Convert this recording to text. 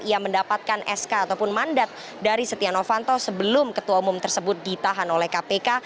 ia mendapatkan sk ataupun mandat dari setia novanto sebelum ketua umum tersebut ditahan oleh kpk